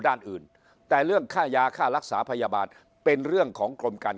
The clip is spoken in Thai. ด้านอื่นแต่เรื่องค่ายาค่ารักษาพยาบาลเป็นเรื่องของกรมการ